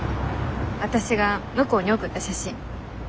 わたしが向こうに送った写真。